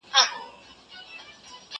هغه څوک چي جواب ورکوي پوهه زياتوي؟!